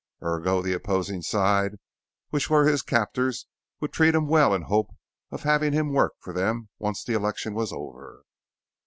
Ergo the opposing side which were his captors would treat him well in the hope of having him work for them once the election was over.